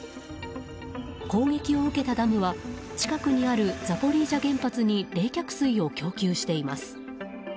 攻撃を受けたダムは近くにあるザポリージャ原発に冷却水を供給しています。